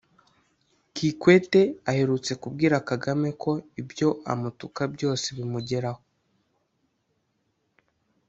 Kikwete aherutse kubwira Kagame ko ibyo amutuka byose bimugeraho